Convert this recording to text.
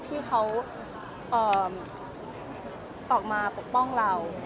ที่เขาออกมาปกป้องเรา